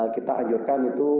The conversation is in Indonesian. kita anjurkan itu